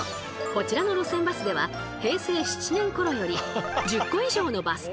こちらの路線バスでは平成７年ころより１０個以上のバス停を新設！